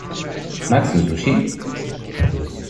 Magst du Sushi?